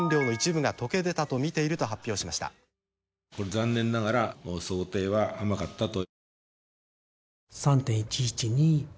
「残念ながら想定は甘かったと」。